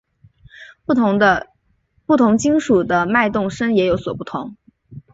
不同金属的脉动声也有所不同。